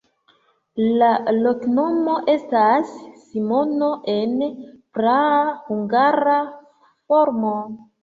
La loknomo estas Simono en praa hungara formo.